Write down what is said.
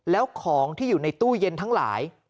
แล้วของที่อยู่ในตู้เย็นทั้งหลาย